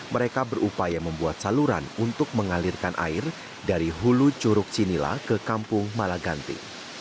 mereka berupaya membuat saluran untuk mengalirkan air dari hulu curug cinila ke kampung malaganti